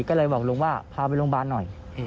ก็เลยบอกลุงว่าพาไปโรงพยาบาลหน่อย